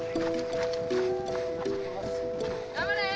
頑張れ！